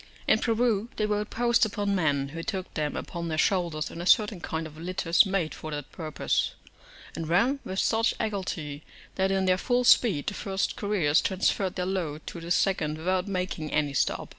In Peru they rode post upon men, who took them upon their shoulders in a certain kind of litters made for that purpose, and ran with such agility that, in their full speed, the first couriers transferred their load to the second without making any stop.